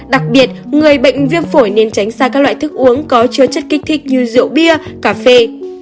đặc biệt người bệnh viêm phổi nên tránh xa các loại thức uống có chứa chất kích thích như rượu bia cà phê